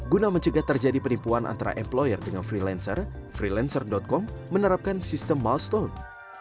guna mencegah terjadi penipuan antara employer dengan freelancer freelancer com menerapkan sistem milestone